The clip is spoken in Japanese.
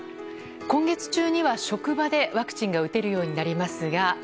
今月中には職場でワクチンが打てるようになりますが。